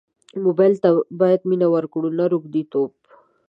موبایل ته باید مینه ورکړو نه روږديتوب.